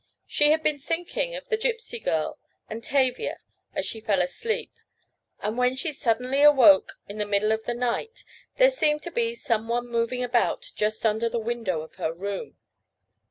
She had been thinking of the Gypsy girl, and Tavia, as she fell asleep, and when she suddenly awoke in the middle of the night, there seemed to be some one moving about just under the window of her room.